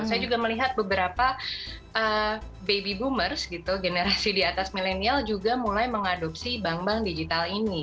saya juga melihat beberapa baby boomers gitu generasi di atas milenial juga mulai mengadopsi bank bank digital ini